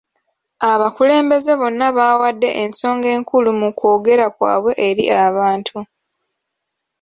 Abakulembeze bonna baawadde ensonga enkulu mu kwogera kwabwe eri abantu.